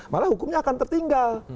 malah hukumnya akan tertinggal